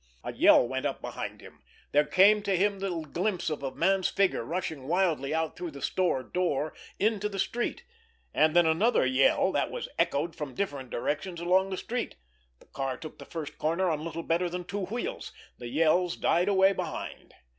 A yell went up behind him; there came to him the glimpse of a man's figure rushing wildly out through the store door into the street; and then another yell, that was echoed from different directions along the street. The car took the first corner on little better than two wheels. The yells died away behind.